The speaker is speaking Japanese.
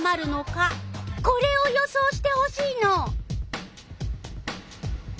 これを予想してほしいの。